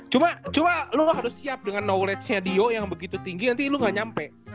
cuma lo harus siap dengan knowledge nyadio yang begitu tinggi nanti lu gak nyampe